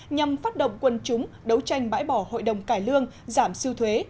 nhằm phát động quân chúng đấu tranh bãi bỏ hội đồng cải lương giảm sưu thuế